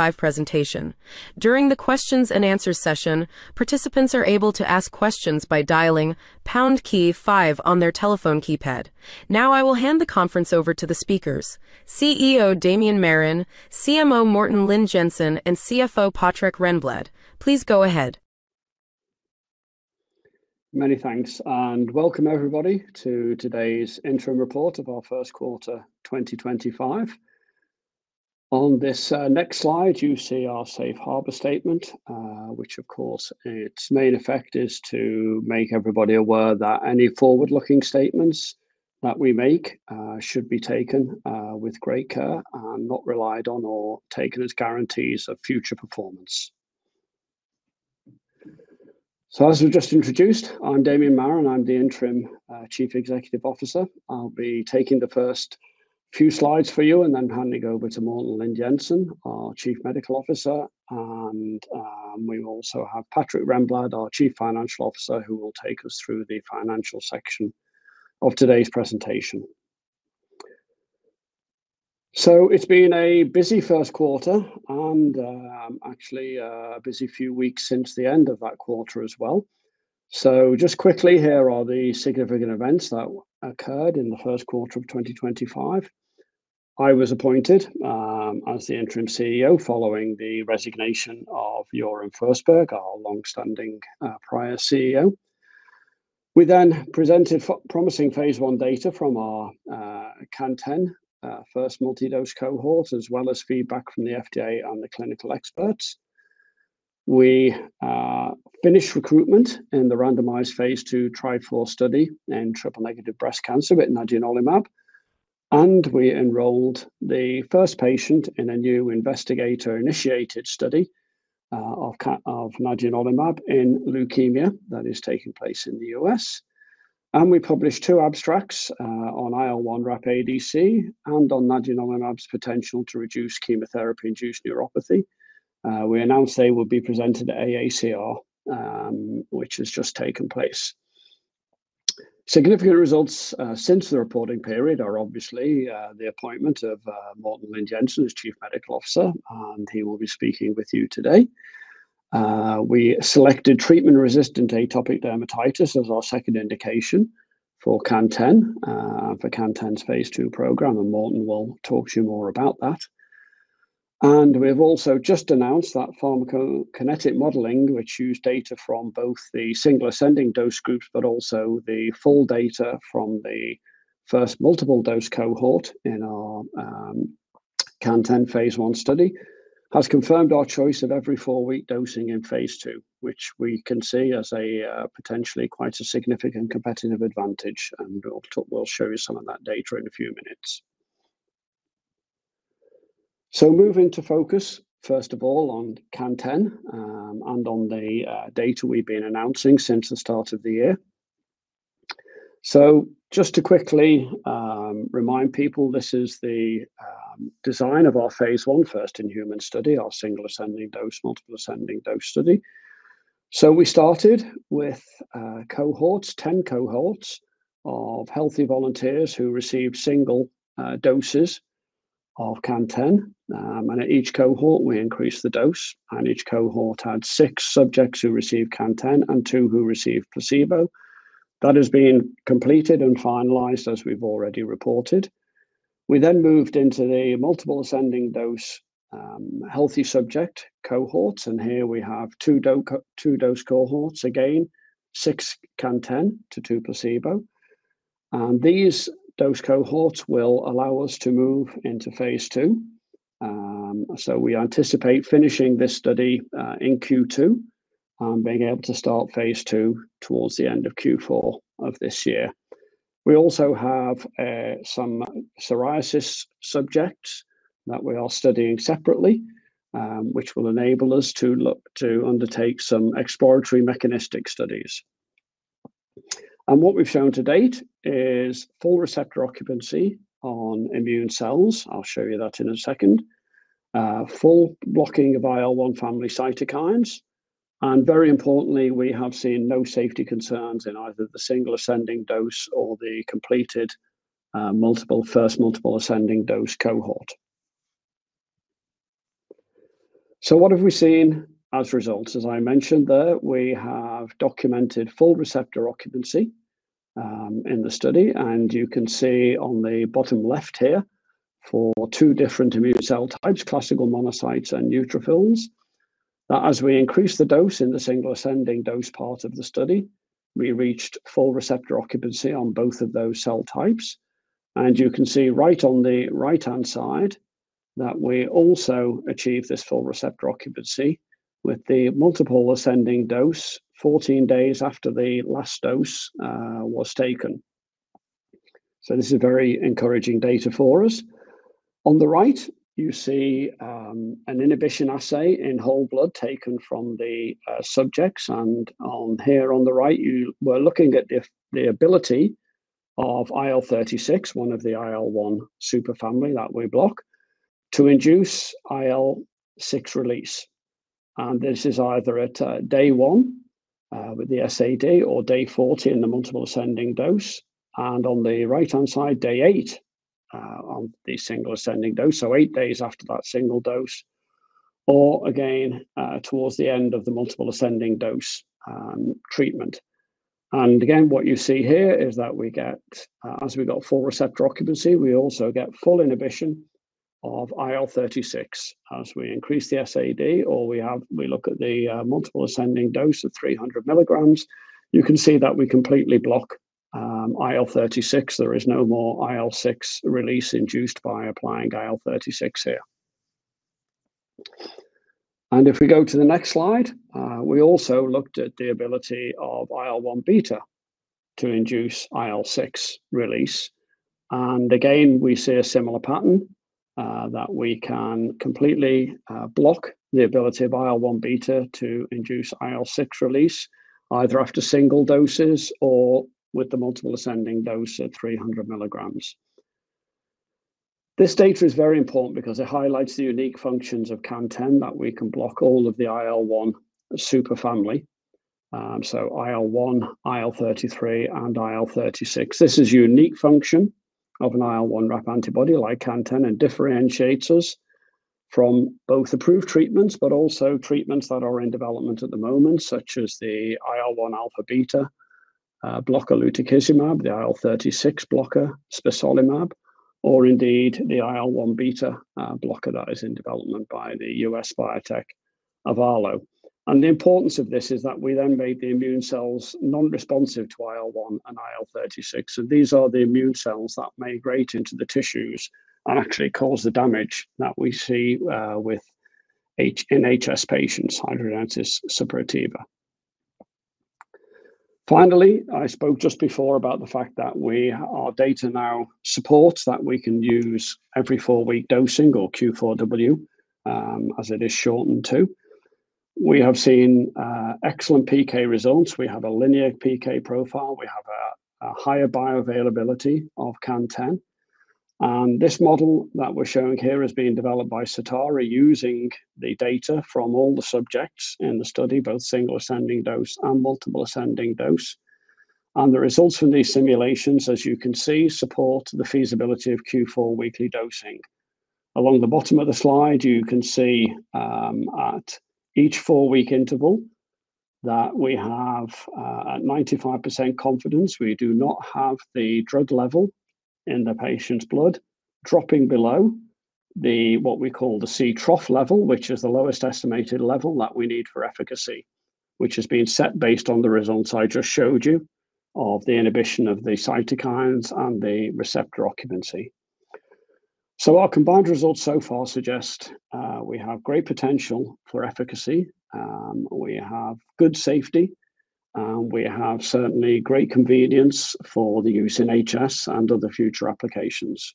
5 presentation. During the Q&A session, participants are able to ask questions by dialing #5 on their telephone keypad. Now, I will hand the conference over to the speakers: CEO Damian Marron, CMO Morten Lind Jensen, and CFO Patrik Renblad. Please go ahead. Many thanks, and welcome everybody to today's interim report of our first quarter, 2025. On this next slide, you see our Safe Harbor Statement, which, of course, its main effect is to make everybody aware that any forward-looking statements that we make should be taken with great care and not relied on or taken as guarantees of future performance. As we've just introduced, I'm Damian Marron, I'm the Interim Chief Executive Officer. I'll be taking the first few slides for you and then handing over to Morten Lind Jensen, our Chief Medical Officer. We also have Patrik Renblad, our Chief Financial Officer, who will take us through the financial section of today's presentation. It's been a busy first quarter, and actually a busy few weeks since the end of that quarter as well. Just quickly, here are the significant events that occurred in the first quarter of 2025. I was appointed as the Interim CEO following the resignation of Jorunn Forsberg, our longstanding prior CEO. We then presented promising phase 1 data from our CANTEN, first multidose cohort, as well as feedback from the FDA and the clinical experts. We finished recruitment in the randomized phase 2 TRIFOR study in triple-negative breast cancer with nadunolimab, and we enrolled the first patient in a new investigator-initiated study of nadunolimab in leukemia that is taking place in the United States. We published two abstracts on IL1RAP-ADC and on nadunolimab's potential to reduce chemotherapy-induced neuropathy. We announced they would be presented at AACR, which has just taken place. Significant results since the reporting period are obviously the appointment of Morten Lind Jensen as Chief Medical Officer, and he will be speaking with you today. We selected treatment-resistant atopic dermatitis as our second indication for CANTEN, for CANTEN's phase 2 program, and Morten will talk to you more about that. We have also just announced that pharmacokinetic modeling, which used data from both the single-ascending dose groups but also the full data from the first multiple-dose cohort in our CANTEN phase 1 study, has confirmed our choice of every four-week dosing in phase 2, which we can see as potentially quite a significant competitive advantage, and we'll show you some of that data in a few minutes. Moving to focus, first of all, on CANTEN and on the data we've been announcing since the start of the year. Just to quickly remind people, this is the design of our phase 1 first-in-human study, our single-ascending dose, multiple-ascending dose study. We started with cohorts, 10 cohorts of healthy volunteers who received single doses of CANTEN, and at each cohort, we increased the dose, and each cohort had six subjects who received CANTEN and two who received placebo. That has been completed and finalized, as we've already reported. We then moved into the multiple-ascending dose healthy subject cohorts, and here we have two dose cohorts, again, six CANTEN to two placebo. These dose cohorts will allow us to move into phase 2. We anticipate finishing this study in Q2 and being able to start phase 2 towards the end of Q4 of this year. We also have some psoriasis subjects that we are studying separately, which will enable us to look to undertake some exploratory mechanistic studies. What we've shown to date is full receptor occupancy on immune cells. I'll show you that in a second. Full blocking of IL-1 family cytokines. Very importantly, we have seen no safety concerns in either the single-ascending dose or the completed first multiple-ascending dose cohort. What have we seen as results? As I mentioned there, we have documented full receptor occupancy in the study, and you can see on the bottom left here for two different immune cell types, classical monocytes and neutrophils, that as we increased the dose in the single-ascending dose part of the study, we reached full receptor occupancy on both of those cell types. You can see right on the right-hand side that we also achieved this full receptor occupancy with the multiple-ascending dose 14 days after the last dose was taken. This is very encouraging data for us. On the right, you see an inhibition assay in whole blood taken from the subjects, and here on the right, you were looking at the ability of IL-36, one of the IL-1 superfamily that we block, to induce IL-6 release. This is either at day one with the SAD or day 40 in the multiple-ascending dose. On the right-hand side, day eight on the single-ascending dose, so eight days after that single dose, or again towards the end of the multiple-ascending dose treatment. Again, what you see here is that as we got full receptor occupancy, we also get full inhibition of IL-36. As we increase the SAD, or we look at the multiple-ascending dose of 300 milligrams, you can see that we completely block IL-36. There is no more IL-6 release induced by applying IL-36 here. If we go to the next slide, we also looked at the ability of IL-1 beta to induce IL-6 release. Again, we see a similar pattern that we can completely block the ability of IL-1 beta to induce IL-6 release, either after single doses or with the multiple-ascending dose at 300 milligrams. This data is very important because it highlights the unique functions of CANTEN that we can block all of the IL-1 superfamily. IL-1, IL-33, and IL-36. This is a unique function of an IL-1RAP antibody like CANTEN and differentiates us from both approved treatments, but also treatments that are in development at the moment, such as the IL-1 alpha/beta blocker leucotuzumab, the IL-36 blocker spesolimab, or indeed the IL-1 beta blocker that is in development by the U.S. biotech Avalo. The importance of this is that we then made the immune cells non-responsive to IL-1 and IL-36. These are the immune cells that migrate into the tissues and actually cause the damage that we see in HS patients, hidradenitis suppurativa. Finally, I spoke just before about the fact that our data now supports that we can use every four-week dosing or Q4W, as it is shortened to. We have seen excellent PK results. We have a linear PK profile. We have a higher bioavailability of CANTEN. This model that we're showing here is being developed by Sutari using the data from all the subjects in the study, both single-ascending dose and multiple-ascending dose. The results from these simulations, as you can see, support the feasibility of Q4 weekly dosing. Along the bottom of the slide, you can see at each four-week interval that we have at 95% confidence we do not have the drug level in the patient's blood dropping below what we call the CTROF level, which is the lowest estimated level that we need for efficacy, which has been set based on the results I just showed you of the inhibition of the cytokines and the receptor occupancy. Our combined results so far suggest we have great potential for efficacy. We have good safety, and we have certainly great convenience for the use in HS and other future applications.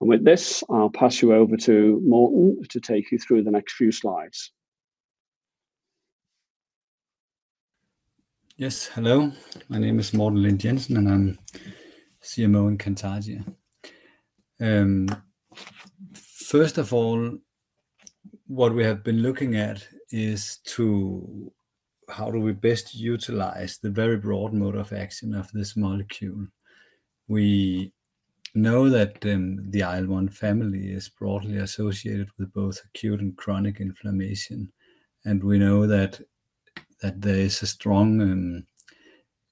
With this, I'll pass you over to Morten to take you through the next few slides. Yes, hello. My name is Morten Lind Jensen, and I'm CMO in Cantargia. First of all, what we have been looking at is how do we best utilize the very broad mode of action of this molecule. We know that the IL-1 family is broadly associated with both acute and chronic inflammation, and we know that there is a strong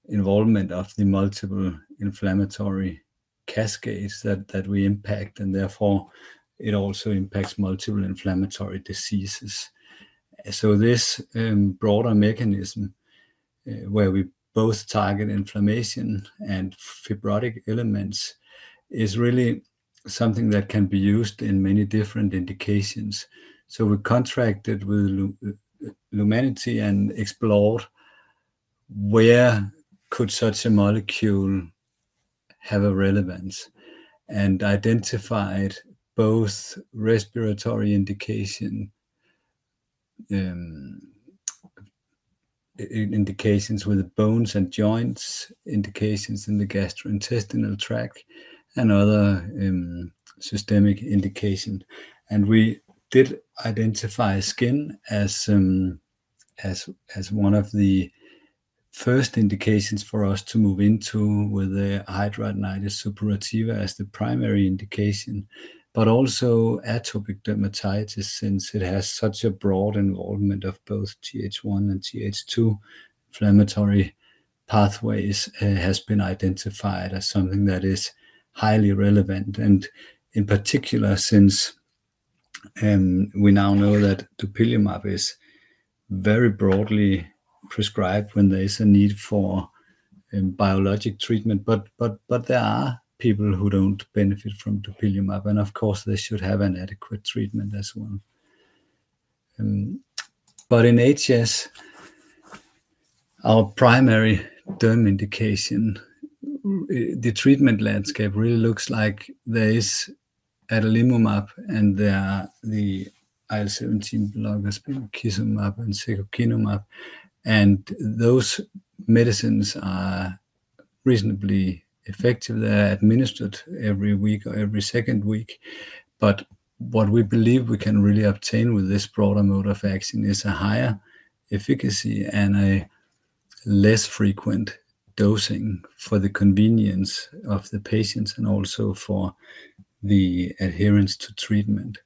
involvement of the multiple inflammatory cascades that we impact, and therefore it also impacts multiple inflammatory diseases. This broader mechanism where we both target inflammation and fibrotic elements is really something that can be used in many different indications. We contracted with Lumenity and explored where could such a molecule have a relevance and identified both respiratory indications with the bones and joints, indications in the gastrointestinal tract, and other systemic indications. We did identify skin as one of the first indications for us to move into with the hidradenitis suppurativa as the primary indication, but also atopic dermatitis since it has such a broad involvement of both GH1 and GH2 inflammatory pathways has been identified as something that is highly relevant. In particular, since we now know that dupilumab is very broadly prescribed when there is a need for biologic treatment, there are people who do not benefit from dupilumab, and of course, they should have an adequate treatment as well. In HS, our primary term indication, the treatment landscape really looks like there is adalimumab, and the IL-17 blockers bimekizumab and secukinumab, and those medicines are reasonably effective. They are administered every week or every second week. What we believe we can really obtain with this broader mode of action is a higher efficacy and a less frequent dosing for the convenience of the patients and also for the adherence to treatment.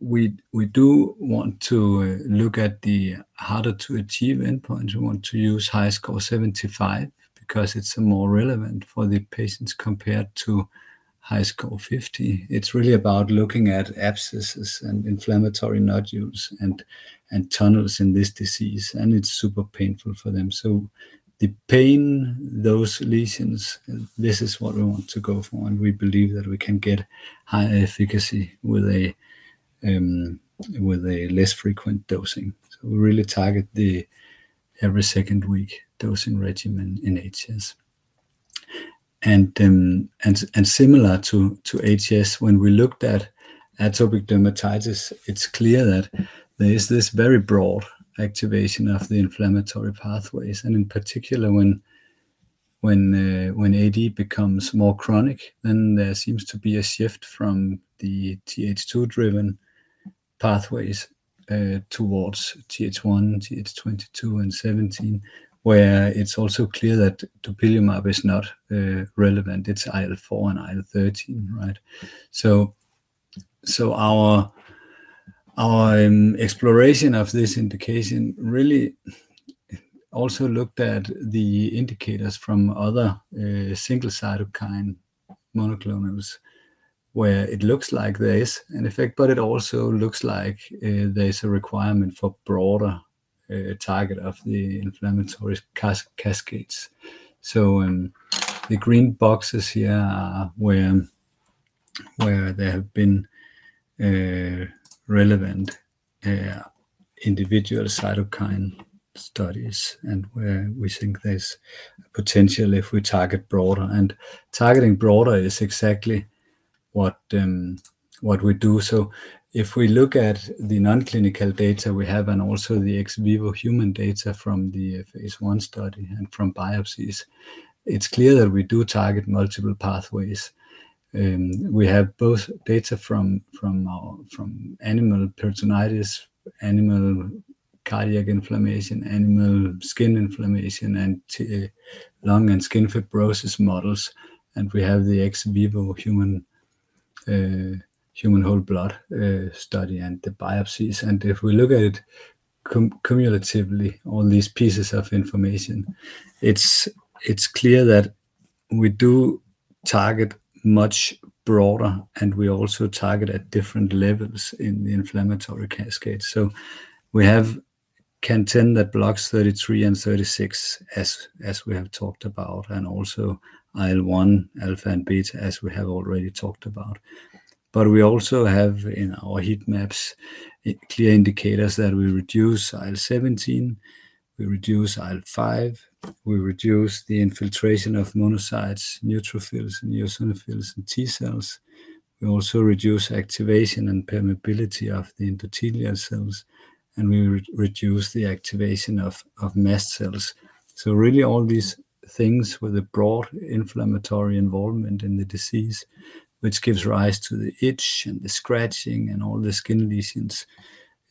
We do want to look at the harder-to-achieve endpoints. We want to use HiSCR 75 because it's more relevant for the patients compared to HiSCR 50. It's really about looking at abscesses and inflammatory nodules and tunnels in this disease, and it's super painful for them. The pain, those lesions, this is what we want to go for, and we believe that we can get higher efficacy with a less frequent dosing. We really target the every second week dosing regimen in HS. Similar to HS, when we looked at atopic dermatitis, it's clear that there is this very broad activation of the inflammatory pathways. In particular, when AD becomes more chronic, there seems to be a shift from the TH2-driven pathways towards TH1, TH22, and 17, where it's also clear that dupilumab is not relevant. It's IL-4 and IL-13, right? Our exploration of this indication really also looked at the indicators from other single-cytokine monoclonals, where it looks like there is an effect, but it also looks like there's a requirement for broader target of the inflammatory cascades. The green boxes here are where there have been relevant individual cytokine studies and where we think there's potential if we target broader. Targeting broader is exactly what we do. If we look at the non-clinical data we have and also the ex vivo human data from the phase 1 study and from biopsies, it's clear that we do target multiple pathways. We have both data from animal peritonitis, animal cardiac inflammation, animal skin inflammation, and lung and skin fibrosis models, and we have the ex vivo human whole blood study and the biopsies. If we look at it cumulatively, all these pieces of information, it's clear that we do target much broader, and we also target at different levels in the inflammatory cascade. We have CANTEN that blocks 33 and 36, as we have talked about, and also IL-1 alpha and beta as we have already talked about. We also have in our heat maps clear indicators that we reduce IL-17, we reduce IL-5, we reduce the infiltration of monocytes, neutrophils, and eosinophils, and T cells. We also reduce activation and permeability of the endothelial cells, and we reduce the activation of mast cells. Really all these things with a broad inflammatory involvement in the disease, which gives rise to the itch and the scratching and all the skin lesions,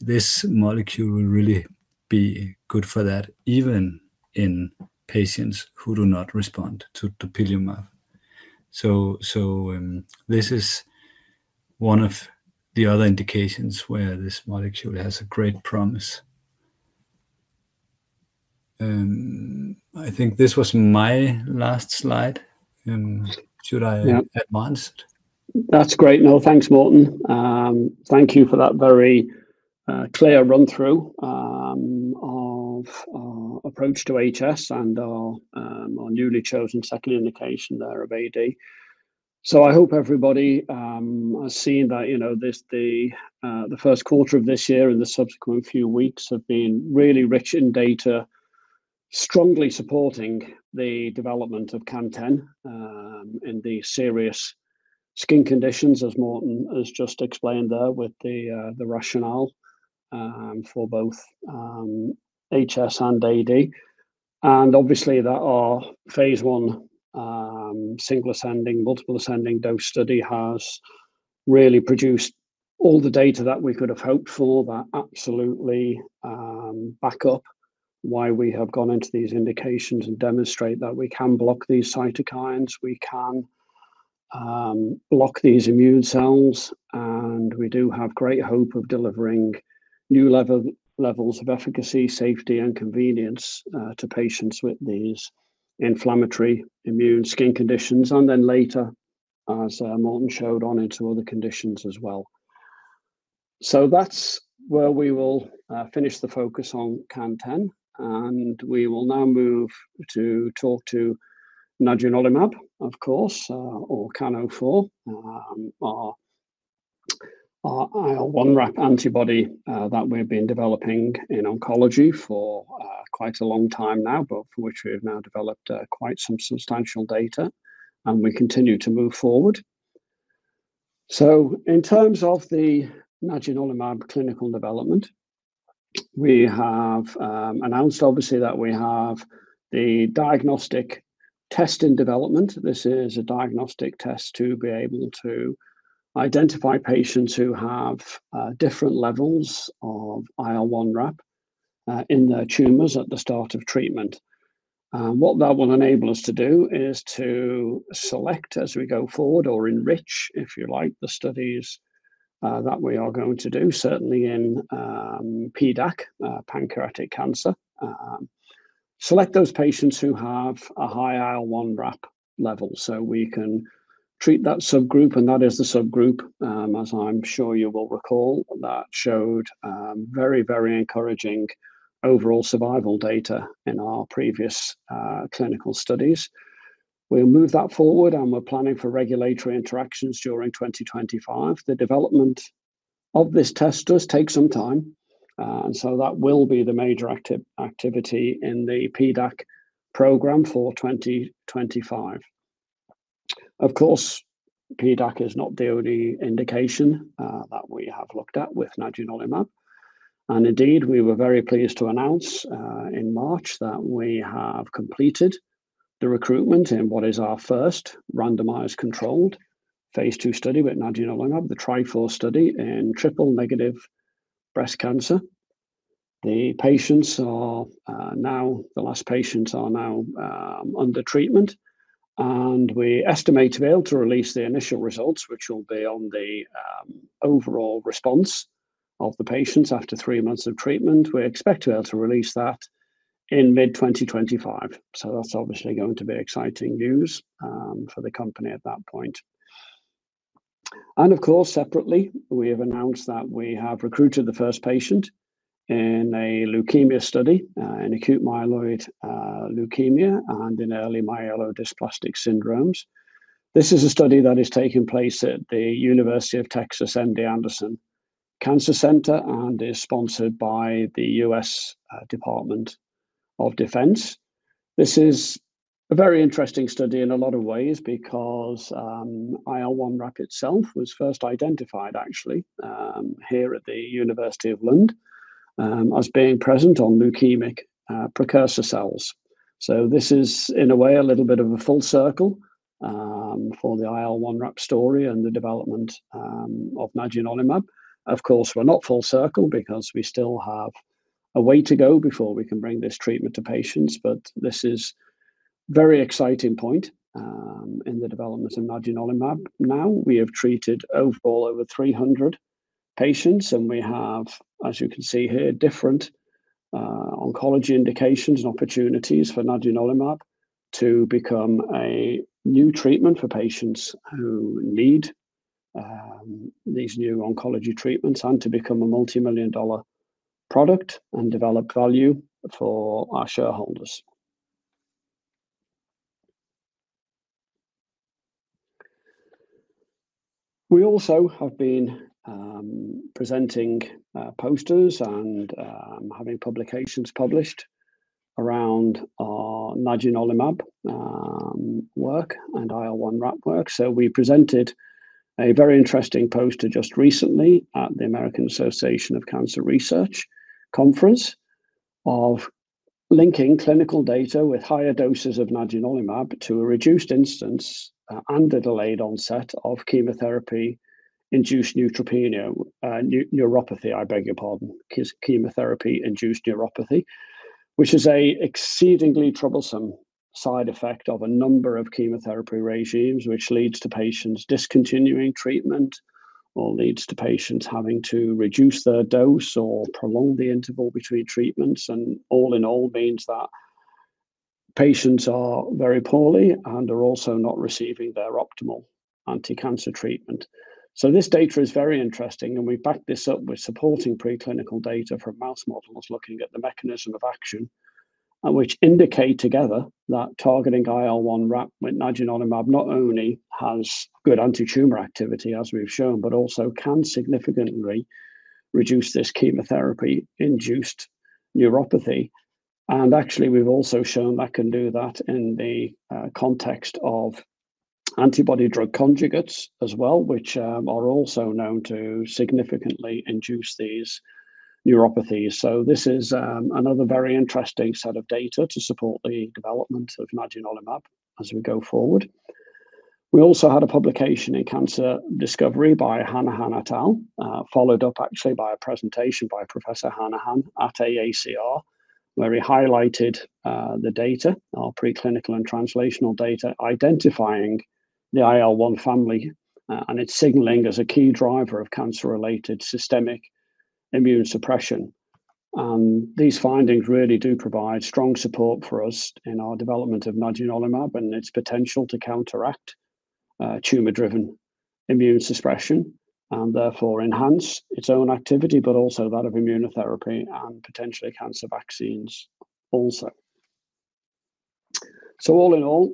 this molecule will really be good for that even in patients who do not respond to dupilumab. This is one of the other indications where this molecule has great promise. I think this was my last slide. Should I advance it? That's great. No, thanks, Morten. Thank you for that very clear run-through of our approach to HS and our newly chosen second indication there of AD. I hope everybody has seen that the first quarter of this year and the subsequent few weeks have been really rich in data, strongly supporting the development of CANTEN in the serious skin conditions, as Morten has just explained there with the rationale for both HS and AD. Obviously, our phase 1 single-ascending, multiple-ascending dose study has really produced all the data that we could have hoped for that absolutely back up why we have gone into these indications and demonstrate that we can block these cytokines, we can block these immune cells, and we do have great hope of delivering new levels of efficacy, safety, and convenience to patients with these inflammatory immune skin conditions, and then later, as Morten showed, on into other conditions as well. That is where we will finish the focus on CANTEN, and we will now move to talk to nadunolimab, of course, or CAN04, our IL-1RAP antibody that we have been developing in oncology for quite a long time now, but for which we have now developed quite some substantial data, and we continue to move forward. In terms of the nadunolimab clinical development, we have announced, obviously, that we have the diagnostic test in development. This is a diagnostic test to be able to identify patients who have different levels of IL1RAP in their tumors at the start of treatment. What that will enable us to do is to select, as we go forward, or enrich, if you like, the studies that we are going to do, certainly in PDAC, pancreatic cancer, select those patients who have a high IL1RAP level so we can treat that subgroup, and that is the subgroup, as I'm sure you will recall, that showed very, very encouraging overall survival data in our previous clinical studies. We'll move that forward, and we're planning for regulatory interactions during 2025. The development of this test does take some time, and so that will be the major activity in the PDAC program for 2025. Of course, PDAC is not the only indication that we have looked at with nadunolimab, and indeed, we were very pleased to announce in March that we have completed the recruitment in what is our first randomized controlled phase 2 study with nadunolimab, the TRIFOR study in triple-negative breast cancer. The patients are now, the last patients are now under treatment, and we estimate to be able to release the initial results, which will be on the overall response of the patients after three months of treatment. We expect to be able to release that in mid-2025, so that is obviously going to be exciting news for the company at that point. Of course, separately, we have announced that we have recruited the first patient in a leukemia study, in acute myeloid leukemia and in early myelodysplastic syndromes. This is a study that is taking place at the University of Texas MD Anderson Cancer Center and is sponsored by the U.S. Department of Defense. This is a very interesting study in a lot of ways because IL1RAP itself was first identified, actually, here at the University of Lund as being present on leukemic precursor cells. This is, in a way, a little bit of a full circle for the IL1RAP story and the development of nadunolimab. Of course, we're not full circle because we still have a way to go before we can bring this treatment to patients, but this is a very exciting point in the development of nadunolimab. Now, we have treated overall over 300 patients, and we have, as you can see here, different oncology indications and opportunities for nadunolimab to become a new treatment for patients who need these new oncology treatments and to become a multi-million dollar product and develop value for our shareholders. We also have been presenting posters and having publications published around our nadunolimab work and IL1RAP work. We presented a very interesting poster just recently at the American Association for Cancer Research conference of linking clinical data with higher doses of nadunolimab to a reduced incidence and a delayed onset of chemotherapy-induced neuropathy, I beg your pardon, chemotherapy-induced neuropathy, which is an exceedingly troublesome side effect of a number of chemotherapy regimens, which leads to patients discontinuing treatment or leads to patients having to reduce their dose or prolong the interval between treatments. All in all means that patients are very poorly and are also not receiving their optimal anti-cancer treatment. This data is very interesting, and we back this up with supporting preclinical data from mouse models looking at the mechanism of action, which indicate together that targeting IL1RAP with nadunolimab not only has good anti-tumor activity, as we've shown, but also can significantly reduce this chemotherapy-induced neuropathy. Actually, we've also shown that can do that in the context of antibody-drug conjugates as well, which are also known to significantly induce these neuropathies. This is another very interesting set of data to support the development of nadunolimab as we go forward. We also had a publication in Cancer Discovery by Hannah-Anna Tau, followed up actually by a presentation by Professor Hannah-Anna at AACR, where he highlighted the data, our preclinical and translational data identifying the IL-1 family and its signaling as a key driver of cancer-related systemic immune suppression. These findings really do provide strong support for us in our development of nadunolimab and its potential to counteract tumor-driven immune suppression and therefore enhance its own activity, but also that of immunotherapy and potentially cancer vaccines also. All in all,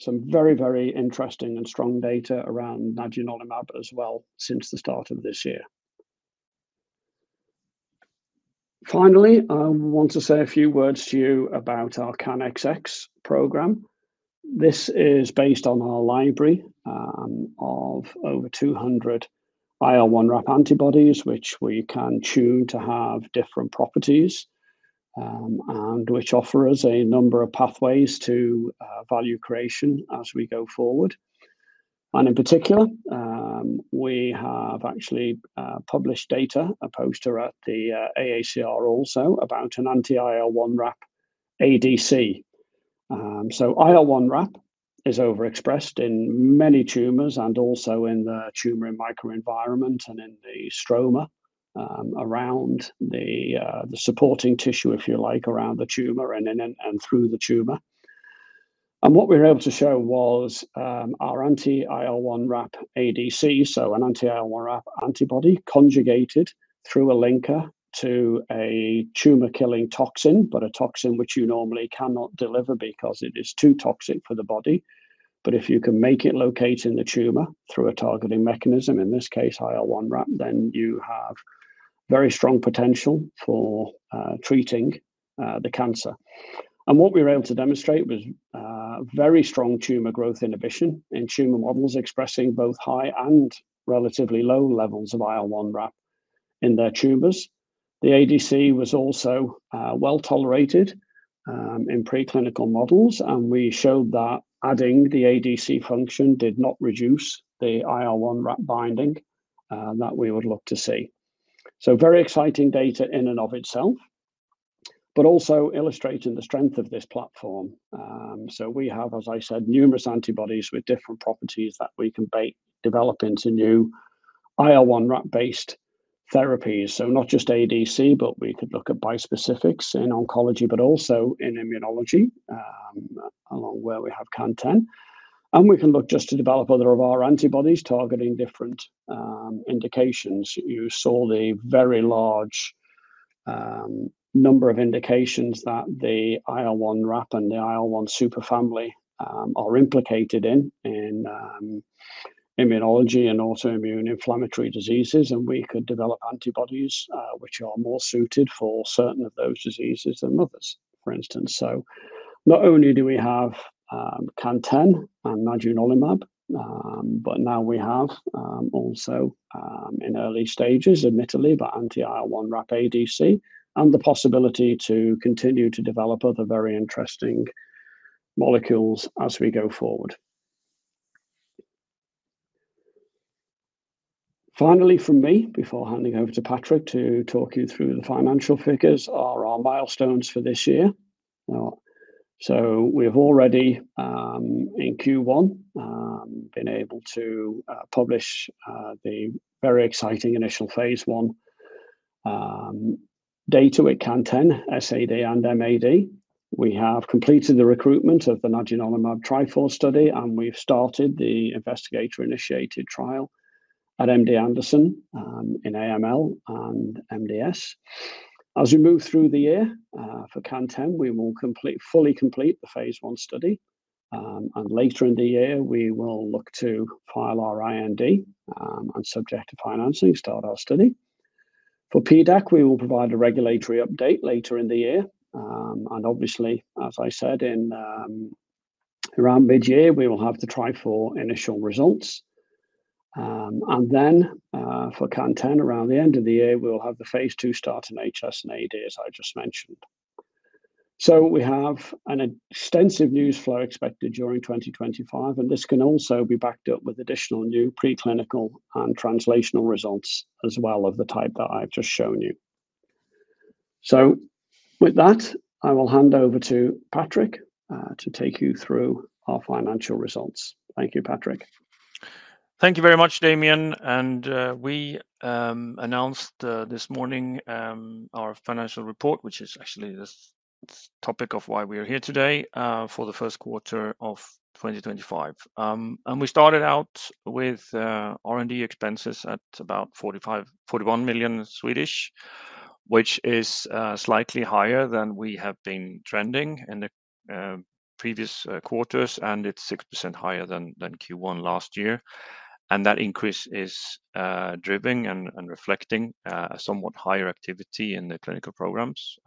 some very, very interesting and strong data around nadunolimab as well since the start of this year. Finally, I want to say a few words to you about our CAN10 program. This is based on our library of over 200 IL1RAP antibodies, which we can tune to have different properties and which offer us a number of pathways to value creation as we go forward. In particular, we have actually published data, a poster at the AACR also, about an anti-IL1RAP ADC. IL1RAP is overexpressed in many tumors and also in the tumor microenvironment and in the stroma around the supporting tissue, if you like, around the tumor and through the tumor. What we were able to show was our anti-IL1RAP ADC, so an anti-IL1RAP antibody conjugated through a linker to a tumor-killing toxin, but a toxin which you normally cannot deliver because it is too toxic for the body. If you can make it locate in the tumor through a targeting mechanism, in this case IL1RAP, you have very strong potential for treating the cancer. What we were able to demonstrate was very strong tumor growth inhibition in tumor models expressing both high and relatively low levels of IL1RAP in their tumors. The ADC was also well tolerated in preclinical models, and we showed that adding the ADC function did not reduce the IL1RAP binding that we would look to see. Very exciting data in and of itself, also illustrating the strength of this platform. We have, as I said, numerous antibodies with different properties that we can develop into new IL1RAP-based therapies. Not just ADC, we could look at bispecifics in oncology, but also in immunology along where we have CANTEN. We can look just to develop other of our antibodies targeting different indications. You saw the very large number of indications that the IL1RAP and the IL-1 superfamily are implicated in immunology and also immune inflammatory diseases, and we could develop antibodies which are more suited for certain of those diseases than others, for instance. Not only do we have CANTEN and nadunolimab, but now we have also in early stages, admittedly, the anti-IL1RAP ADC and the possibility to continue to develop other very interesting molecules as we go forward. Finally, from me, before handing over to Patrik to talk you through the financial figures, are our milestones for this year. We have already in Q1 been able to publish the very exciting initial phase 1 data with CANTEN, SAD, and MAD. We have completed the recruitment of the nadunolimab TRIFOR study, and we've started the investigator-initiated trial at MD Anderson in AML and MDS. As we move through the year for CANTEN, we will fully complete the phase 1 study, and later in the year, we will look to file our IND and, subject to financing, start our study. For PDAC, we will provide a regulatory update later in the year, and obviously, as I said, around mid-year, we will have the TRIFOR initial results. For CANTEN, around the end of the year, we will have the phase 2 start in HS and AD, as I just mentioned. We have an extensive news flow expected during 2025, and this can also be backed up with additional new preclinical and translational results as well of the type that I've just shown you. With that, I will hand over to Patrik to take you through our financial results. Thank you, Patrik. Thank you very much, Damian, and we announced this morning our financial report, which is actually the topic of why we are here today for the first quarter of 2025. We started out with R&D expenses at about 41 million, which is slightly higher than we have been trending in the previous quarters, and it's 6% higher than Q1 last year. That increase is driving and reflecting a somewhat higher activity in the clinical programs,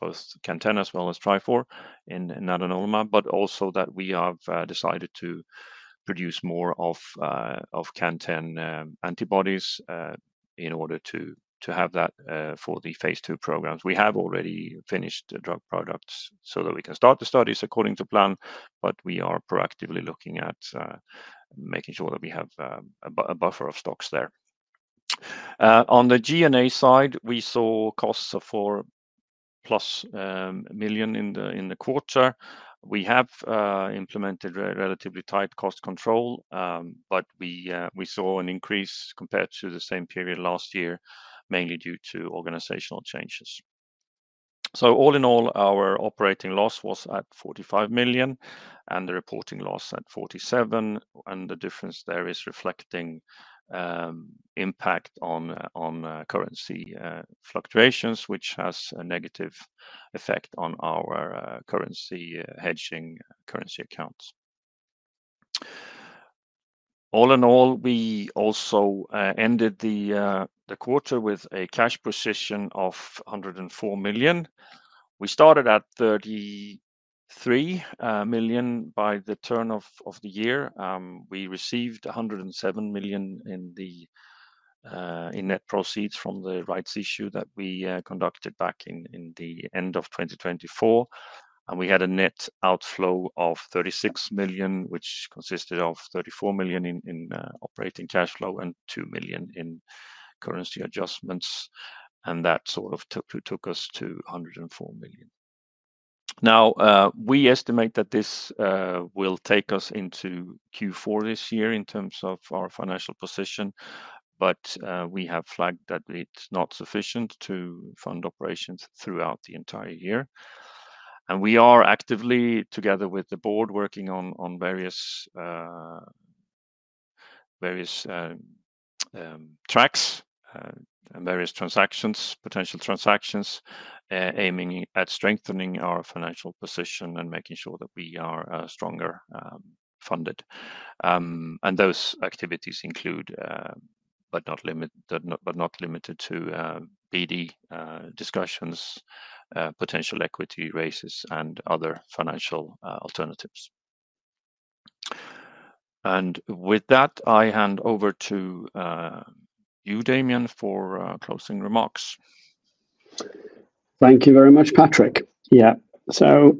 both CANTEN as well as TRIFOR in nadunolimab, but also that we have decided to produce more of CANTEN antibodies in order to have that for the phase 2 programs. We have already finished the drug products so that we can start the studies according to plan, but we are proactively looking at making sure that we have a buffer of stocks there. On the G&A side, we saw costs of 4 million plus in the quarter. We have implemented relatively tight cost control, but we saw an increase compared to the same period last year, mainly due to organizational changes. All in all, our operating loss was at 45 million and the reporting loss at 47 million, and the difference there is reflecting impact on currency fluctuations, which has a negative effect on our currency hedging currency accounts. All in all, we also ended the quarter with a cash position of 104 million. We started at 33 million by the turn of the year. We received 107 million in net proceeds from the rights issue that we conducted back in the end of 2024, and we had a net outflow of 36 million, which consisted of 34 million in operating cash flow and 2 million in currency adjustments, and that sort of took us to 104 million. Now, we estimate that this will take us into Q4 this year in terms of our financial position, but we have flagged that it is not sufficient to fund operations throughout the entire year. We are actively, together with the board, working on various tracks and various transactions, potential transactions, aiming at strengthening our financial position and making sure that we are stronger funded. Those activities include, but are not limited to, BD discussions, potential equity raises, and other financial alternatives. With that, I hand over to you, Damian, for closing remarks. Thank you very much, Patrik. Yeah, so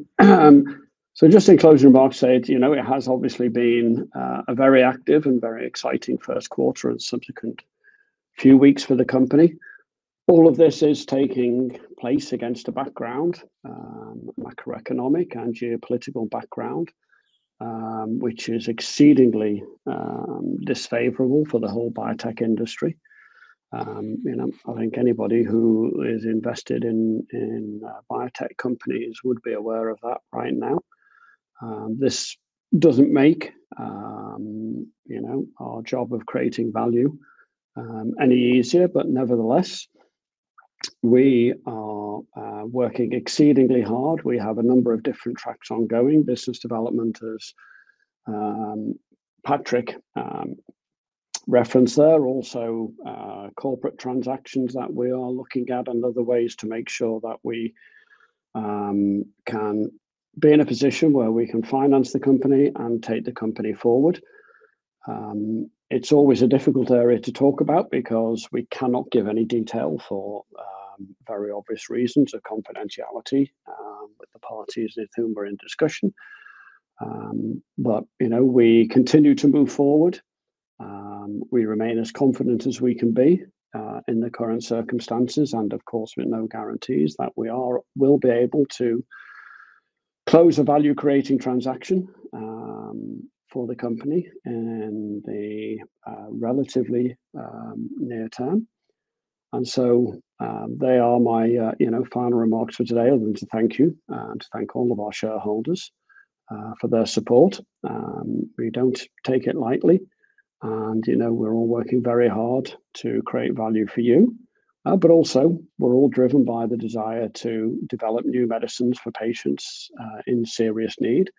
just in closing remarks, it has obviously been a very active and very exciting first quarter and subsequent few weeks for the company. All of this is taking place against a macroeconomic and geopolitical background, which is exceedingly disfavorable for the whole biotech industry. I think anybody who is invested in biotech companies would be aware of that right now. This does not make our job of creating value any easier, but nevertheless, we are working exceedingly hard. We have a number of different tracks ongoing. Business development, as Patrik referenced there, also corporate transactions that we are looking at and other ways to make sure that we can be in a position where we can finance the company and take the company forward. It's always a difficult area to talk about because we cannot give any detail for very obvious reasons of confidentiality with the parties with whom we're in discussion. We continue to move forward. We remain as confident as we can be in the current circumstances and, of course, with no guarantees that we will be able to close a value-creating transaction for the company in the relatively near term. They are my final remarks for today, and I want to thank you and to thank all of our shareholders for their support. We do not take it lightly, and we're all working very hard to create value for you, but also we're all driven by the desire to develop new medicines for patients in serious need.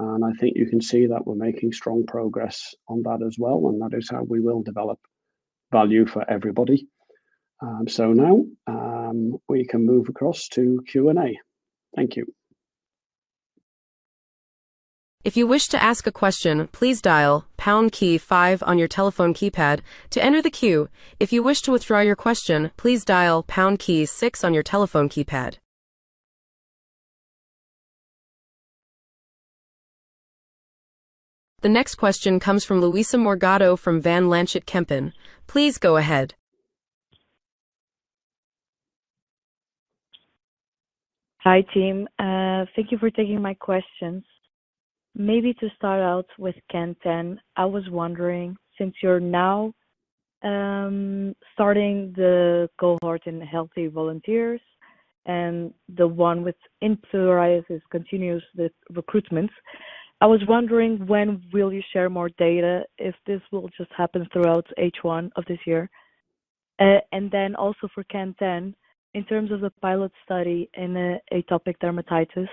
I think you can see that we're making strong progress on that as well, and that is how we will develop value for everybody. Now we can move across to Q&A. Thank you. If you wish to ask a question, please dial pound key five on your telephone keypad to enter the queue. If you wish to withdraw your question, please dial pound key six on your telephone keypad. The next question comes from Luisa Morgado from Van Lanschot Kempen. Please go ahead. Hi team, thank you for taking my questions. Maybe to start out with CANTEN, I was wondering, since you're now starting the cohort in healthy volunteers and the one with influenza continuous recruitments, I was wondering, when will you share more data if this will just happen throughout H1 of this year? Also for CANTEN, in terms of the pilot study in atopic dermatitis,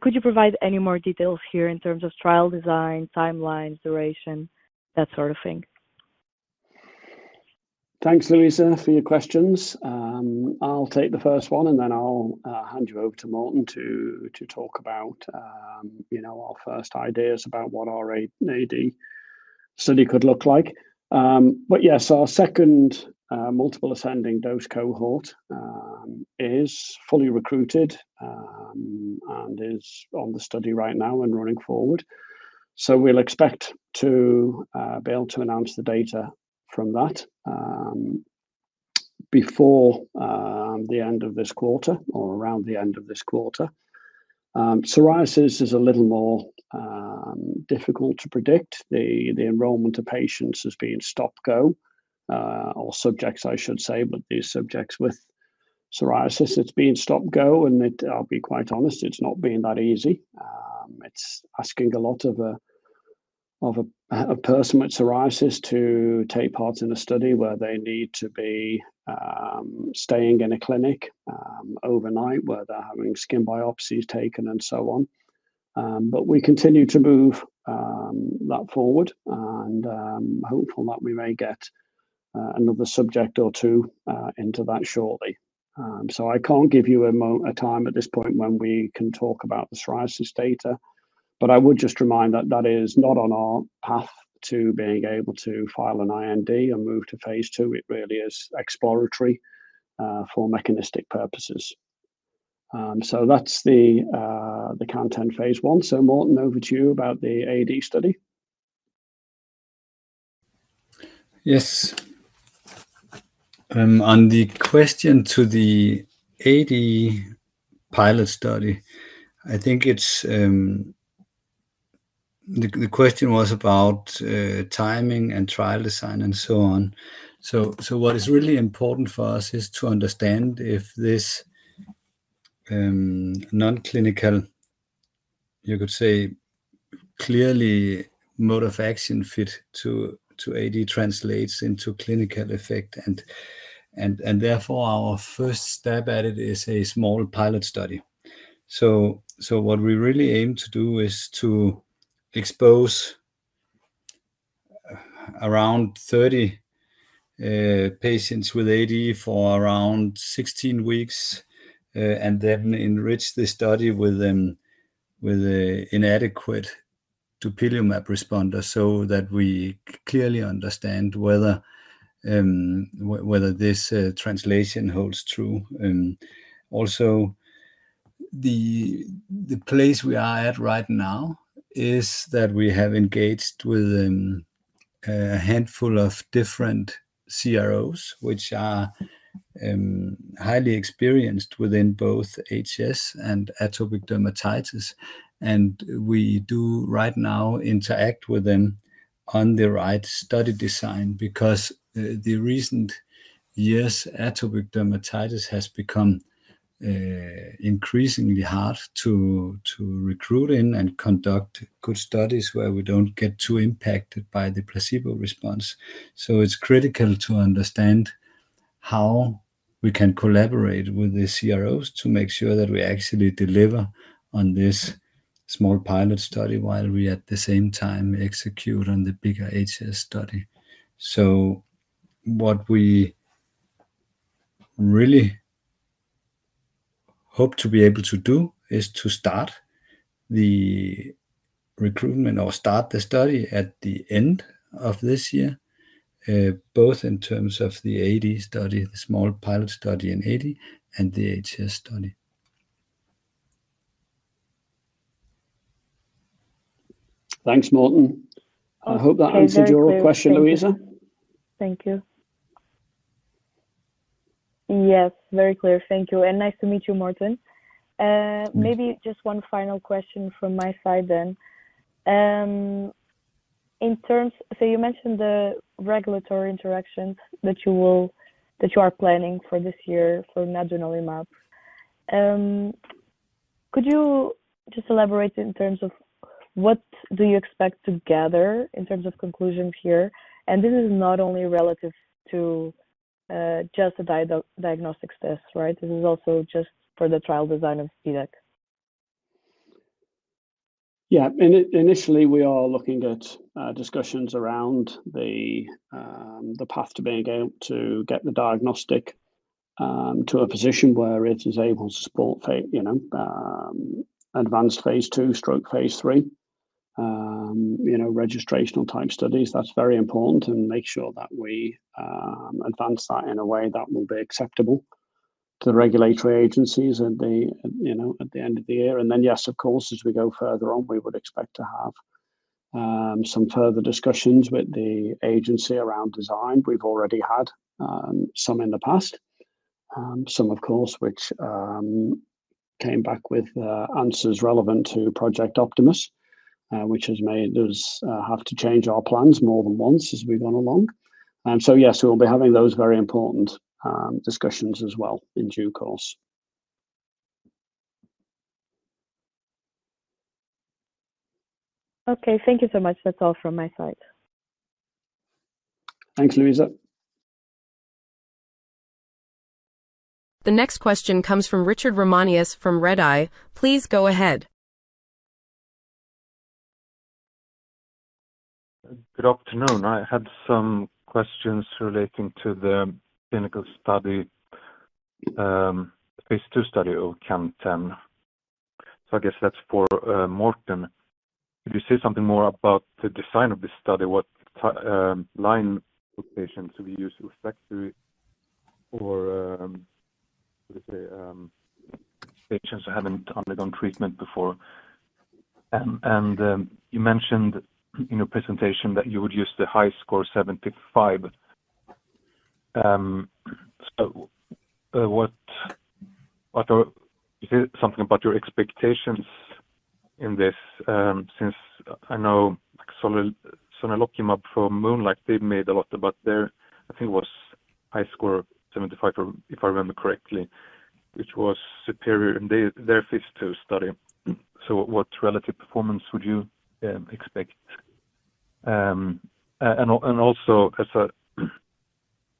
could you provide any more details here in terms of trial design, timelines, duration, that sort of thing? Thanks, Luisa, for your questions. I'll take the first one, and then I'll hand you over to Morten to talk about our first ideas about what our AD study could look like. Yes, our second multiple ascending dose cohort is fully recruited and is on the study right now and running forward. We expect to be able to announce the data from that before the end of this quarter or around the end of this quarter. Psoriasis is a little more difficult to predict. The enrollment of patients has been stop-go, or subjects, I should say, but these subjects with psoriasis, it's been stop-go, and I'll be quite honest, it's not been that easy. It's asking a lot of a person with psoriasis to take part in a study where they need to be staying in a clinic overnight, where they're having skin biopsies taken and so on. We continue to move that forward and hopeful that we may get another subject or two into that shortly. I can't give you a time at this point when we can talk about the psoriasis data, but I would just remind that that is not on our path to being able to file an IND and move to phase 2. It really is exploratory for mechanistic purposes. That's the CANTEN phase 1. Morton, over to you about the AD study. Yes. On the question to the AD pilot study, I think the question was about timing and trial design and so on. What is really important for us is to understand if this non-clinical, you could say, clearly mode of action fit to AD translates into clinical effect, and therefore our first step at it is a small pilot study. What we really aim to do is to expose around 30 patients with AD for around 16 weeks and then enrich the study with an inadequate dupilumab responder so that we clearly understand whether this translation holds true. Also, the place we are at right now is that we have engaged with a handful of different CROs, which are highly experienced within both HS and atopic dermatitis. We do right now interact with them on the right study design because the recent years, atopic dermatitis has become increasingly hard to recruit in and conduct good studies where we do not get too impacted by the placebo response. It is critical to understand how we can collaborate with the CROs to make sure that we actually deliver on this small pilot study while we at the same time execute on the bigger HS study. What we really hope to be able to do is to start the recruitment or start the study at the end of this year, both in terms of the AD study, the small pilot study in AD, and the HS study. Thanks, Morten. I hope that answered your question, Luisa. Thank you. Yes, very clear. Thank you. And nice to meet you, Morten. Maybe just one final question from my side then. You mentioned the regulatory interactions that you are planning for this year for nadunolimab. Could you just elaborate in terms of what you expect to gather in terms of conclusions here? This is not only relative to just a diagnostic test, right? This is also just for the trial design of PDAC. Yeah. Initially, we are looking at discussions around the path to being able to get the diagnostic to a position where it is able to support advanced phase 2, stroke phase 3, registrational type studies. That's very important and make sure that we advance that in a way that will be acceptable to the regulatory agencies at the end of the year. Yes, of course, as we go further on, we would expect to have some further discussions with the agency around design. We've already had some in the past, some, of course, which came back with answers relevant to Project Optimus, which has made us have to change our plans more than once as we've gone along. Yes, we'll be having those very important discussions as well in due course. Okay. Thank you so much. That's all from my side. Thanks, Luisa. The next question comes from Richard Romanes from Redeye. Please go ahead. Good afternoon. I had some questions relating to the clinical study, phase 2 study of CANTEN. I guess that's for Morten. Could you say something more about the design of this study? What line of patients do we use? Patients who haven't undergone treatment before. You mentioned in your presentation that you would use the HiSCR 75. Is there something about your expectations in this? Since I know sonelokimab from MoonLake, they've made a lot about their, I think it was HiSCR 75, if I remember correctly, which was superior in their phase 2 study. What relative performance would you expect? Also,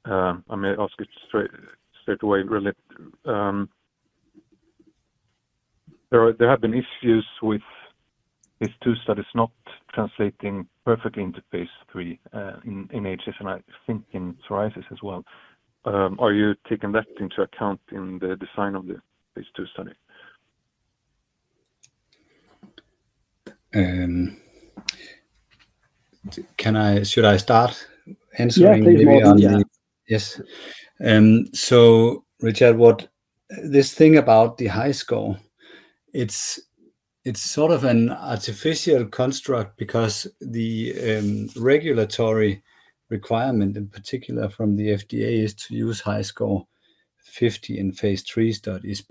I may ask it straight away. There have been issues with phase 2 studies not translating perfectly into phase 3 in HS, and I think in psoriasis as well. Are you taking that into account in the design of the phase 2 study? Should I start answering? Yeah, please. Yes. Richard, this thing about the HiSCR, it's sort of an artificial construct because the regulatory requirement, in particular from the FDA, is to use HiSCR 50 in phase 3 studies.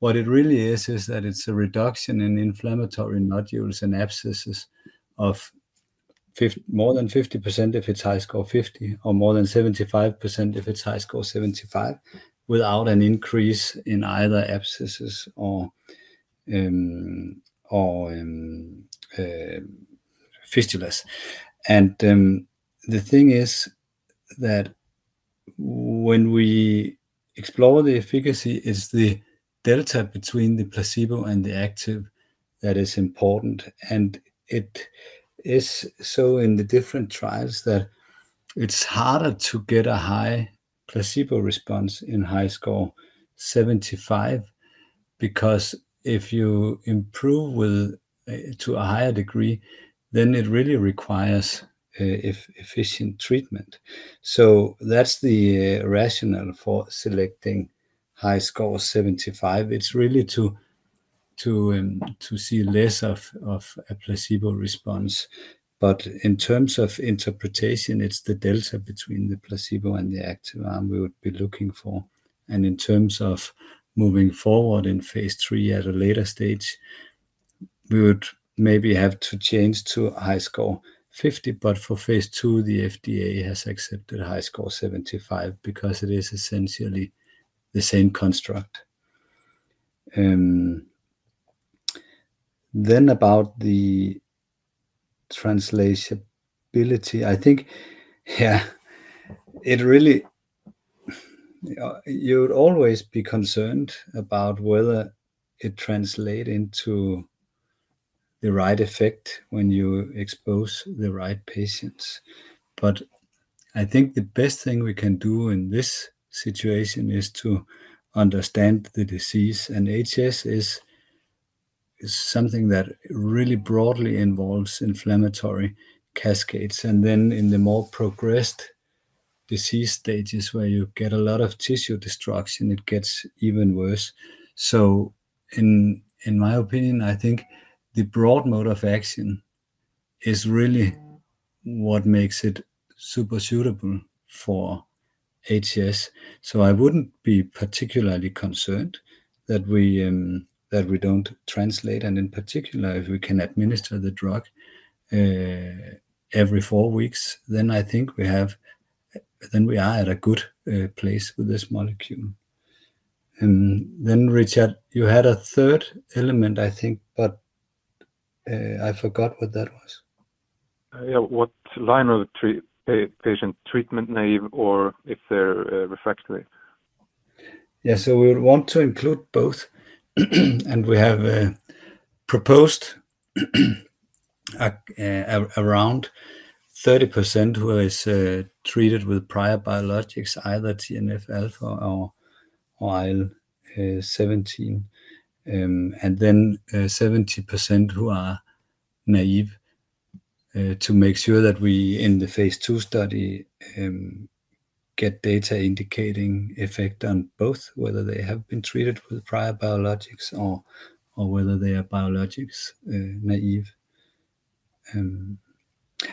What it really is, is that it's a reduction in inflammatory nodules and abscesses of more than 50% if it's HiSCR 50 or more than 75% if it's HiSCR 75 without an increase in either abscesses or fistulas. The thing is that when we explore the efficacy, it's the delta between the placebo and the active that is important. It is so in the different trials that it's harder to get a high placebo response in HiSCR 75 because if you improve to a higher degree, then it really requires efficient treatment. That's the rationale for selecting HiSCR 75. It's really to see less of a placebo response. In terms of interpretation, it's the delta between the placebo and the active arm we would be looking for. In terms of moving forward in phase 3 at a later stage, we would maybe have to change to HiSCR 50, but for phase 2, the FDA has accepted HiSCR 75 because it is essentially the same construct. About the translatability, I think, yeah, you would always be concerned about whether it translates into the right effect when you expose the right patients. I think the best thing we can do in this situation is to understand the disease. HS is something that really broadly involves inflammatory cascades. In the more progressed disease stages where you get a lot of tissue destruction, it gets even worse. In my opinion, I think the broad mode of action is really what makes it super suitable for HS. I would not be particularly concerned that we do not translate. In particular, if we can administer the drug every four weeks, then I think we are at a good place with this molecule. Richard, you had a third element, I think, but I forgot what that was. Yeah. What line of patient treatment, naive or if they're refractory? Yeah. We would want to include both. We have proposed around 30% who are treated with prior biologics, either TNF alpha or IL-17, and 70% who are naive to make sure that we in the phase 2 study get data indicating effect on both, whether they have been treated with prior biologics or whether they are biologics naive.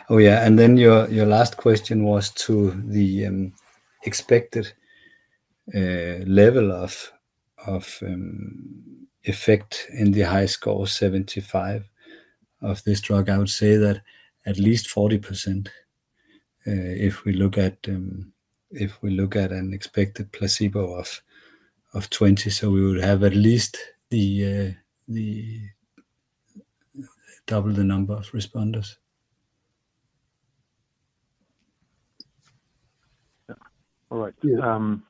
Oh yeah. Your last question was to the expected level of effect in the HiSCR 75 of this drug. I would say that at least 40% if we look at an expected placebo of 20%. We would have at least double the number of responders. All right. Do you have?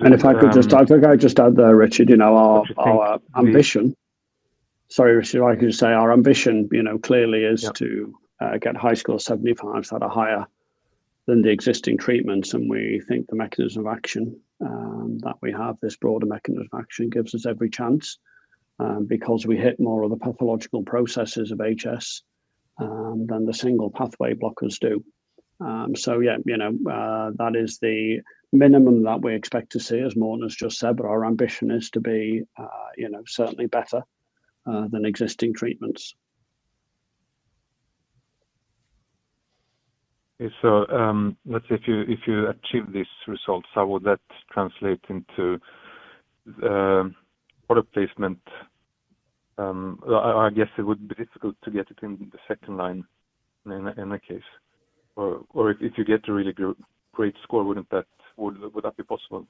If I could just add, Richard, our ambition, sorry, Richard, I could just say our ambition clearly is to get HiSCR 75s that are higher than the existing treatments. We think the mechanism of action that we have, this broader mechanism of action, gives us every chance because we hit more of the pathological processes of HS than the single pathway blockers do. Yeah, that is the minimum that we expect to see, as Morten has just said. Our ambition is to be certainly better than existing treatments. Let's say if you achieve these results, how would that translate into order placement? I guess it would be difficult to get it in the second line in that case. Or if you get a really great score, would that be possible?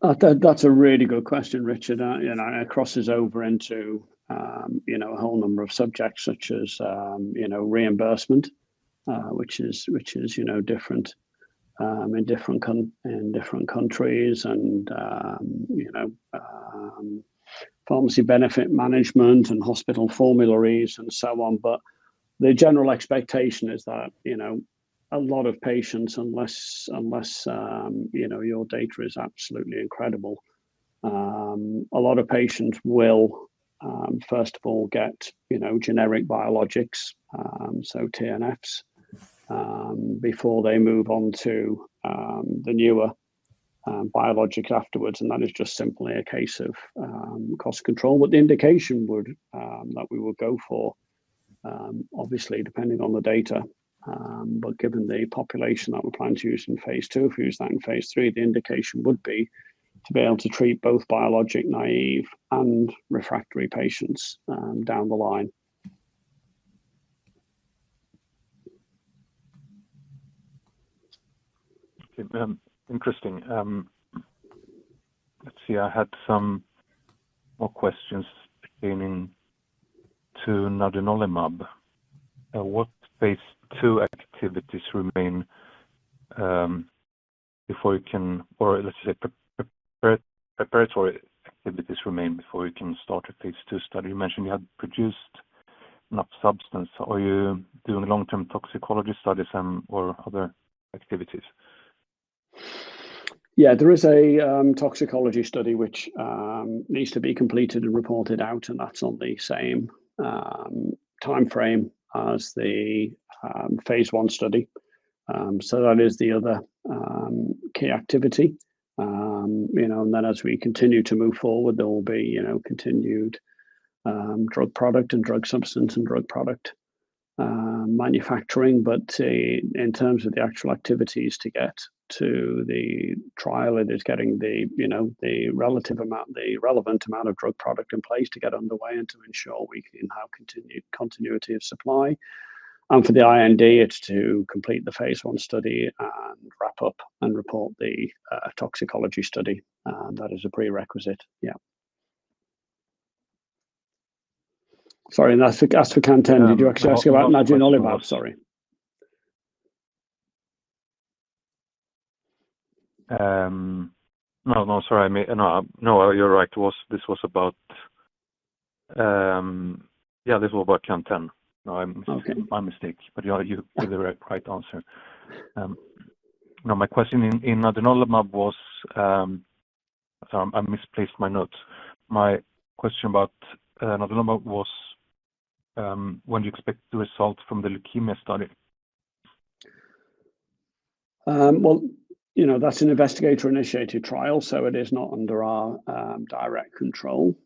That's a really good question, Richard. It crosses over into a whole number of subjects such as reimbursement, which is different in different countries, and pharmacy benefit management and hospital formularies and so on. The general expectation is that a lot of patients, unless your data is absolutely incredible, a lot of patients will, first of all, get generic biologics, so TNFs, before they move on to the newer biologic afterwards. That is just simply a case of cost control. The indication that we would go for, obviously, depending on the data, but given the population that we plan to use in phase 2, if we use that in phase 3, the indication would be to be able to treat both biologic naive and refractory patients down the line. Interesting. Let's see. I had some more questions pertaining to nadunolimab. What phase 2 activities remain before you can, or let's say, preparatory activities remain before you can start a phase 2 study? You mentioned you had produced enough substance. Are you doing long-term toxicology studies or other activities? Yeah. There is a toxicology study which needs to be completed and reported out. That is on the same timeframe as the phase 1 study. That is the other key activity. As we continue to move forward, there will be continued drug product and drug substance and drug product manufacturing. In terms of the actual activities to get to the trial, it is getting the relevant amount of drug product in place to get underway and to ensure we can have continuity of supply. For the IND, it is to complete the phase 1 study and wrap up and report the toxicology study. That is a prerequisite. Yeah. Sorry. As for CANTEN, did you actually ask about nadunolimab? Sorry. No, no. Sorry. No, you're right. This was about, yeah, this was about CANTEN. No, my mistake. But you gave the right answer. No, my question in nadunolimab was, I misplaced my notes. My question about nadunolimab was when you expect the result from the leukemia study? That's an investigator-initiated trial, so it is not under our direct control.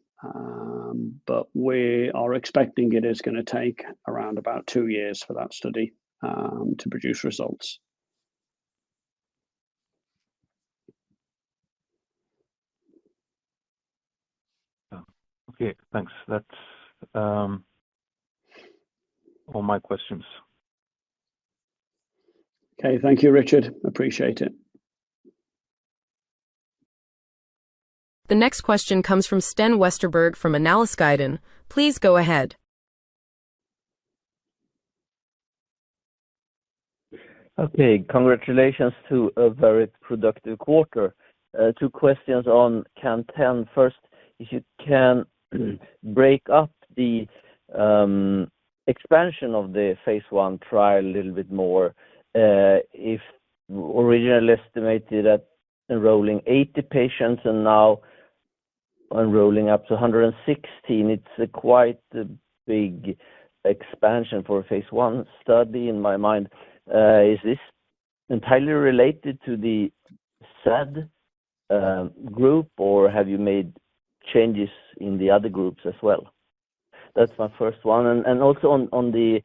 We are expecting it is going to take around about two years for that study to produce results. Okay. Thanks. That's all my questions. Okay. Thank you, Richard. Appreciate it. The next question comes from Sten Westerberg from Analysguiden. Please go ahead. Okay. Congratulations to a very productive quarter. Two questions on CANTEN. First, if you can break up the expansion of the phase 1 trial a little bit more. Originally estimated at enrolling 80 patients and now enrolling up to 116. It is a quite big expansion for a phase 1 study in my mind. Is this entirely related to the SAD group, or have you made changes in the other groups as well? That is my first one. Also on the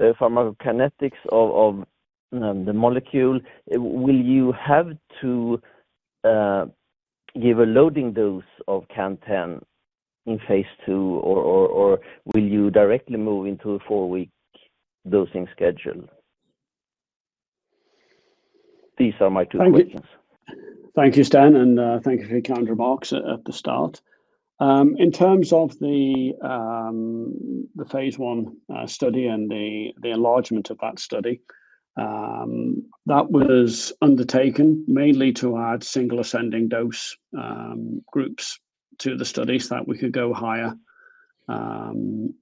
pharmacokinetics of the molecule, will you have to give a loading dose of CANTEN in phase 2, or will you directly move into a four-week dosing schedule? These are my two questions. Thank you, Sten. Thank you for your countermarks at the start. In terms of the phase 1 study and the enlargement of that study, that was undertaken mainly to add single ascending dose groups to the study so that we could go higher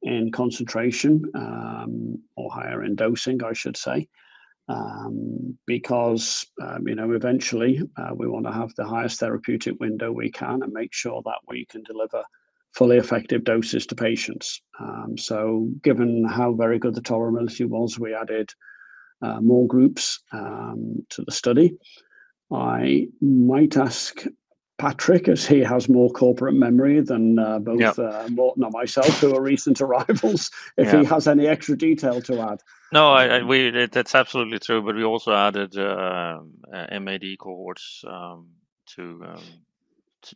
in concentration or higher in dosing, I should say, because eventually we want to have the highest therapeutic window we can and make sure that we can deliver fully effective doses to patients. Given how very good the tolerability was, we added more groups to the study. I might ask Patrik, as he has more corporate memory than both Morten and myself, who are recent arrivals, if he has any extra detail to add. No, that's absolutely true. We also added MAD cohorts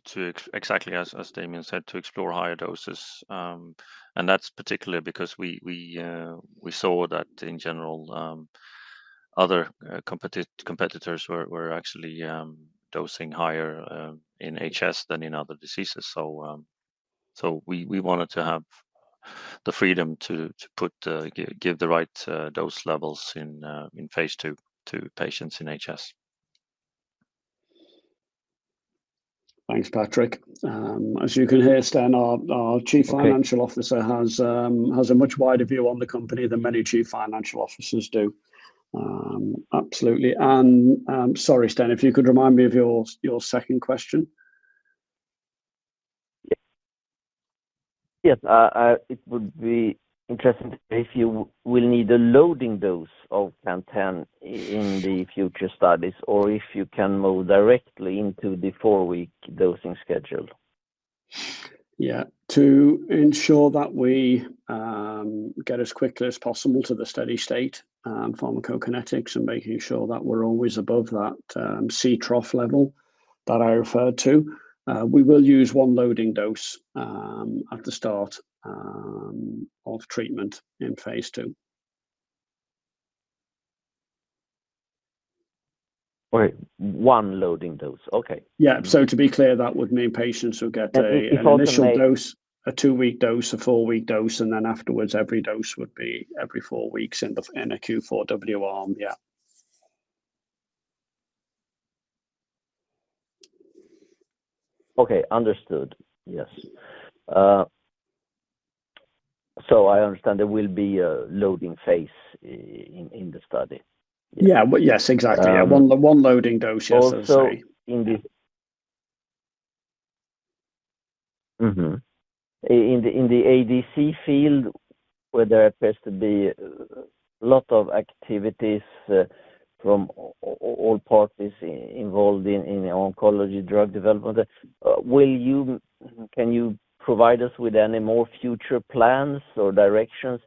to, exactly as Damian said, to explore higher doses. That is particularly because we saw that in general, other competitors were actually dosing higher in HS than in other diseases. We wanted to have the freedom to give the right dose levels in phase 2 to patients in HS. Thanks, Patrik. As you can hear, Sten, our Chief Financial Officer has a much wider view on the company than many Chief Financial Officers do. Absolutely. Sorry, Sten, if you could remind me of your second question. Yes. It would be interesting to know if you will need a loading dose of CANTEN in the future studies or if you can move directly into the four-week dosing schedule. Yeah. To ensure that we get as quickly as possible to the steady state pharmacokinetics and making sure that we're always above that CTROF level that I referred to, we will use one loading dose at the start of treatment in phase 2. Wait. One loading dose. Okay. Yeah. To be clear, that would mean patients who get an additional dose, a two-week dose, a four-week dose, and then afterwards, every dose would be every four weeks in a Q4W arm. Yeah. Okay. Understood. Yes. So I understand there will be a loading phase in the study. Yeah. Yes. Exactly. One loading dose. Yes. That's right. Oh, so in the ADC field, where there appears to be a lot of activities from all parties involved in oncology drug development, can you provide us with any more future plans or directions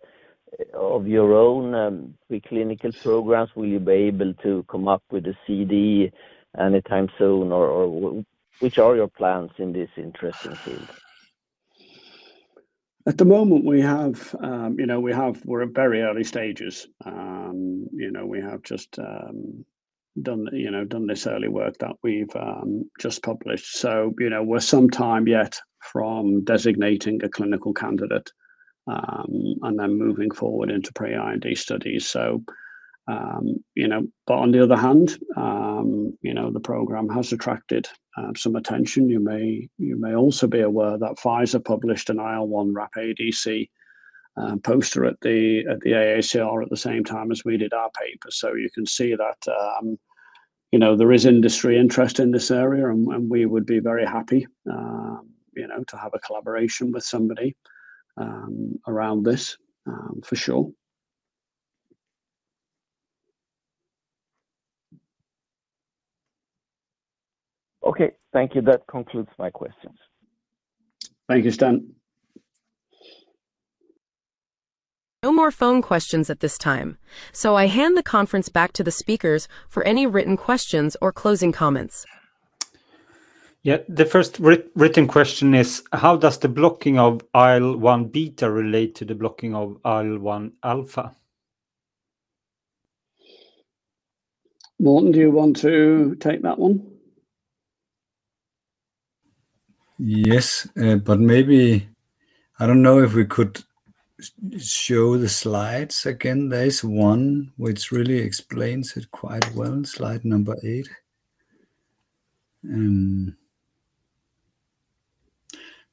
of your own preclinical programs? Will you be able to come up with a CD anytime soon? Or which are your plans in this interesting field? At the moment, we're at very early stages. We have just done this early work that we've just published. We're some time yet from designating a clinical candidate and then moving forward into pre-IND studies. On the other hand, the program has attracted some attention. You may also be aware that Pfizer published an IL1RAP-ADC poster at the AACR at the same time as we did our paper. You can see that there is industry interest in this area, and we would be very happy to have a collaboration with somebody around this for sure. Okay. Thank you. That concludes my questions. Thank you, Sten. No more phone questions at this time. I hand the conference back to the speakers for any written questions or closing comments. Yeah. The first written question is, how does the blocking of IL-1 beta relate to the blocking of IL-1 alpha? Morten, do you want to take that one? Yes. Maybe I do not know if we could show the slides again. There is one which really explains it quite well, slide number eight.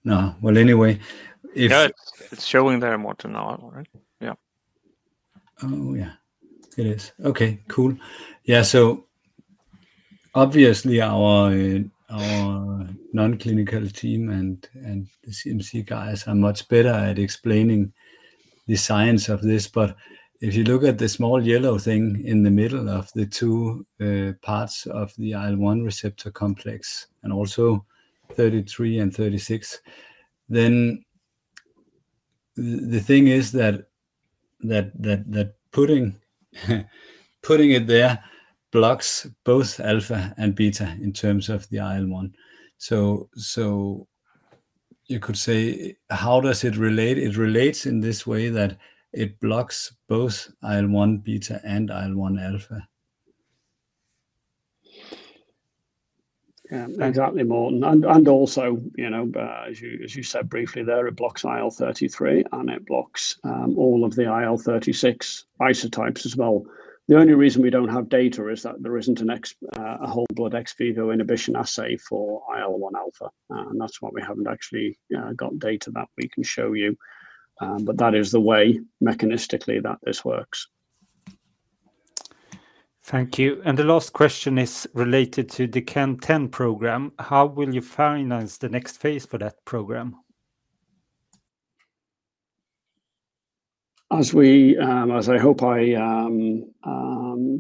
No. Anyway. Yeah. It's showing there, Morten. All right. Yeah. Oh, yeah. It is. Okay. Cool. Yeah. Obviously, our non-clinical team and the CMC guys are much better at explaining the science of this. If you look at the small yellow thing in the middle of the two parts of the IL-1 receptor complex, and also 33 and 36, the thing is that putting it there blocks both alpha and beta in terms of the IL-1. You could say, how does it relate? It relates in this way that it blocks both IL-1 beta and IL-1 alpha. Exactly, Morten. As you said briefly there, it blocks IL-33, and it blocks all of the IL-36 isotypes as well. The only reason we do not have data is that there is not a whole blood ex vivo inhibition assay for IL-1 alpha. That is why we have not actually got data that we can show you. That is the way mechanistically that this works. Thank you. The last question is related to the CANTEN program. How will you finance the next phase for that program? As I hope I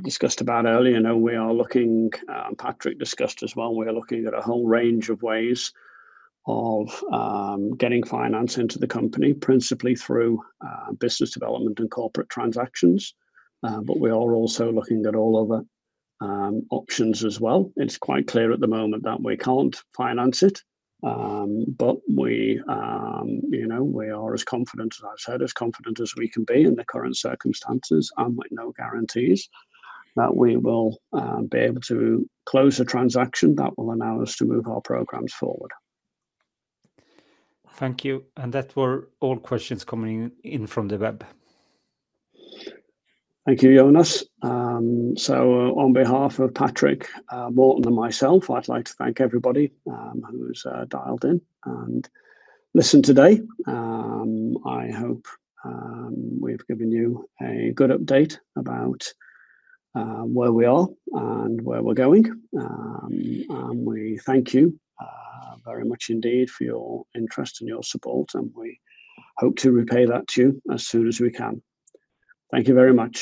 discussed about earlier, we are looking—Patrik discussed as well—we are looking at a whole range of ways of getting finance into the company, principally through business development and corporate transactions. We are also looking at all other options as well. It is quite clear at the moment that we cannot finance it. We are as confident, as I have said, as confident as we can be in the current circumstances and with no guarantees that we will be able to close a transaction that will allow us to move our programs forward. Thank you. That were all questions coming in from the web. Thank you, Jonas. On behalf of Patrik, Morten, and myself, I would like to thank everybody who has dialed in and listened today. I hope we have given you a good update about where we are and where we are going. We thank you very much indeed for your interest and your support. We hope to repay that to you as soon as we can. Thank you very much.